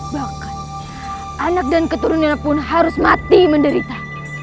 bahkan anak dan keturunannya pun harus mati menderita